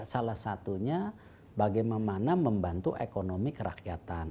salah satunya bagaimana membantu ekonomi kerakyatan